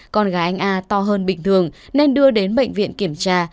con gái anh a to hơn bình thường nên đưa đến bệnh viện kiểm tra